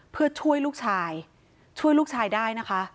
เพื่อช่วยลูกชายช่วยลูกชายได้นะคะ